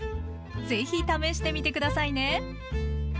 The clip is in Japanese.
是非試してみて下さいね。